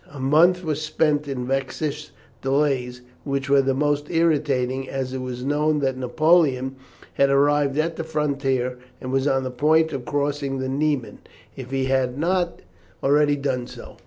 A month was spent in vexatious delays, which were the more irritating as it was known that Napoleon had arrived at the frontier, and was on the point of crossing the Niemen, if he had not already done so.